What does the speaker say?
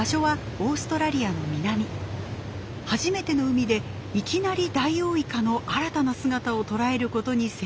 初めての海でいきなりダイオウイカの新たな姿を捉えることに成功したのです。